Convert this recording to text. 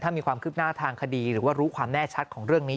ถ้ามีความคืบหน้าทางคดีหรือว่ารู้ความแน่ชัดของเรื่องนี้